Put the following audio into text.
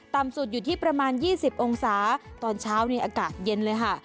ต่ำสุดอยู่ที่ประมาณ๒๐องศาตอนเช้านี่อากาศเย็นเลยค่ะ